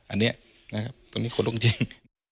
อันนี้นะครับตรงนี้ขนรุ่งจริง